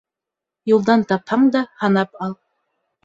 Юлдан тапһаң да һанап ал.